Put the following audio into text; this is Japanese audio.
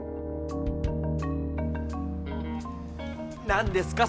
何ですか？